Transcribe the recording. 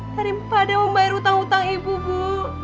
karena pada membayar hutang hutang ibu bu